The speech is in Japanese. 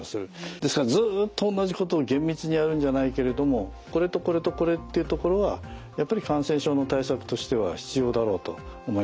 ですからずっとおんなじことを厳密にやるんじゃないけれどもこれとこれとこれっていうところはやっぱり感染症の対策としては必要だろうと思います。